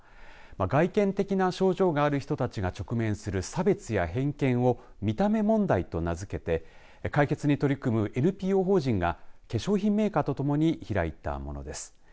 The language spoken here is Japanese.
外見的な症状がある人たちが直面する差別や偏見を見た目問題と名付けて解決に取り組むＮＰＯ法人が化粧品メーカーとともに開いたものです。